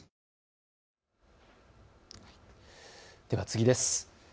では次です。